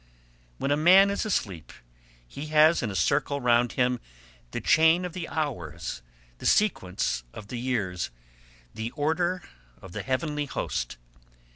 When a man is asleep, he has in a circle round him the chain of the hours, the sequence of the years, the order of the heavenly host.